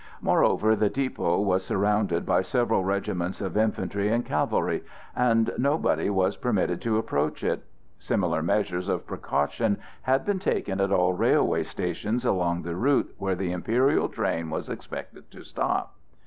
Moreover the depot was surrounded by several regiments of infantry and cavalry, and nobody was permitted to approach it. Similar measures of precaution had been taken at all railway stations along the route where the imperial train was expected to stop.